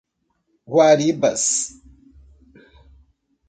Guaribas